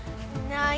何？